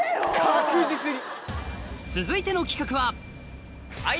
確実に。